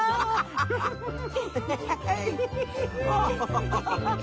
アハハハハ！